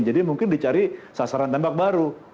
jadi mungkin dicari sasaran tembak baru